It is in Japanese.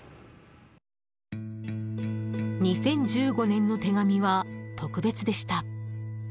２０１５年の手紙は特別でした。